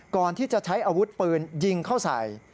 ก่อนที่จะใช้อาวุธปืนยิงเข้าใส่